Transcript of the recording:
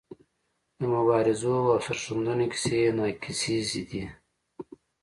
د مبارزو او سرښندنو کیسې ناکیسیزې دي.